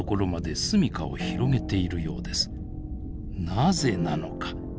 なぜなのか？